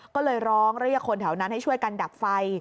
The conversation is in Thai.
ก็เลยร้องเรียกคนแถวนั้นให้ช่วยกันดับไฟ